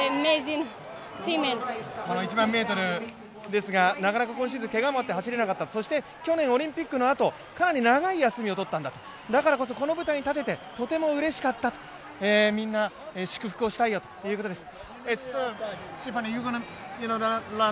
１００００ｍですがなかなか今シーズンけがもあって走れなかった、そして去年、オリンピックのあとかなり長い休みを取ったんだとだからこそ、この舞台に立ててとてもうれしかったと、みんな祝福をしたいよということです。